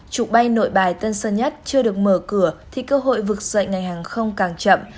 trụ bay nội bài tân sơn nhất chưa được mở cửa thì cơ hội vực dậy ngành hàng không càng chậm